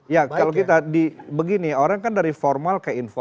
ya kalau kita di begini orang kan dari formal